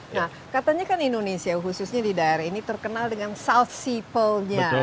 nah katanya kan indonesia khususnya di daerah ini terkenal dengan south siple nya